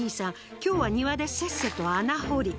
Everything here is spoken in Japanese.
今日は庭でせっせと穴掘り。